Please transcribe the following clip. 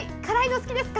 お好きですか？